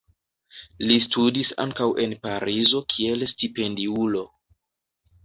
Li studis ankaŭ en Parizo kiel stipendiulo.